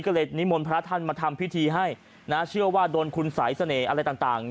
ก็เลยนิมนต์พระท่านมาทำพิธีให้นะเชื่อว่าโดนคุณสายเสน่ห์อะไรต่าง